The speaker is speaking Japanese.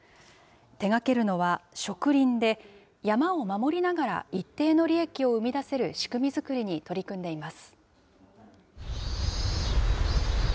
手がけるのは植林で、山を守りながら一定の利益を生み出せる仕組み作りに取り組んでいます。